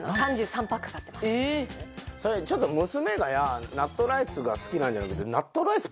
それちょっと娘がや納豆ライスが好きなんじゃなくて。